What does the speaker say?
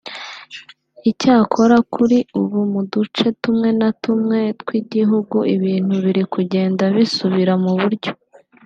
Icyakora kuri ubu mu duce tumwe na tumwe tw’igihugu ibintu biri kugenda bisubira mu buryo